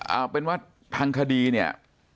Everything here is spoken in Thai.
เอาเป็นว่าทางคดีเนี่ย